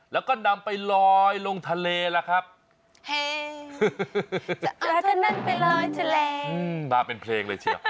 แล้วก็นำไปลอยลงทะเลแหละครับจะเอาทะนั้นไปลอยทะเลอืมมาเป็นเพลงเลยเชียว